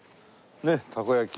ねったこ焼き。